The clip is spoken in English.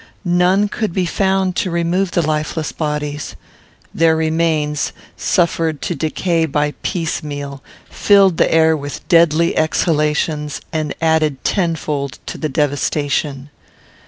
None could be found to remove the lifeless bodies. Their remains, suffered to decay by piecemeal, filled the air with deadly exhalations, and added tenfold to the devastation.